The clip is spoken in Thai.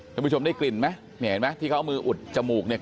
ท่านผู้ชมได้กลิ่นมั้ยนี่เห็นมั้ยที่เขามืออุดจมูกเนี่ย